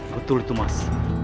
betul itu mas